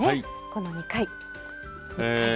この２回。